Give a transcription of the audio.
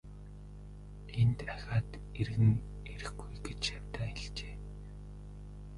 Энд дахиад эргэн ирэхгүй гэж шавьдаа хэлжээ.